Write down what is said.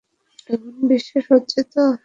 এখন বিশ্বাস হচ্ছে তো?